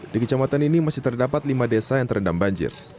di kecamatan ini masih terdapat lima desa yang terendam banjir